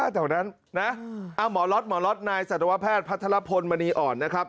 เพราะฉะนั้นหมอล็อตหมอล็อตนายศัตรวะแพทย์พัทธาระพลมณีอ่อนนะครับ